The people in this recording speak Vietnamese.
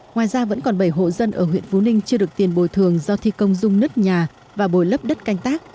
ngoài ra vẫn còn bảy hộ dân ở huyện vũ ninh chưa được tiền bồi thường do thi công dung nứt nhà và bồi lấp đất canh tác